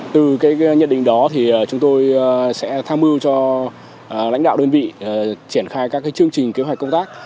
từ nhận định đó thì chúng tôi sẽ tham mưu cho lãnh đạo đơn vị triển khai các chương trình kế hoạch công tác